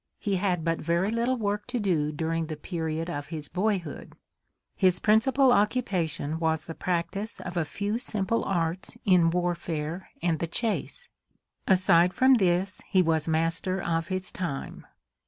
He had but very little work to do during the period of his boyhood. His principal occupation was the practice of a few simple arts in warfare and the chase. Aside from this, he was master of his time.